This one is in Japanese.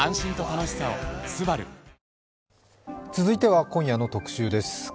続いては今夜の特集です。